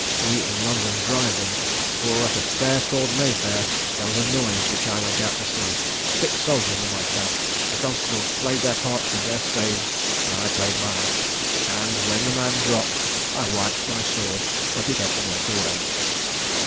we in London drive them; for at a fair called May fair, there was a noise which I went out to see six soldiers and myself the constables played their parts with their staves, and I played mine; and, when the man dropped, I wiped my sword, put it up, and went away."